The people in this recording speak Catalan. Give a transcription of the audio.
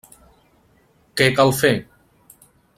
Què cal fer?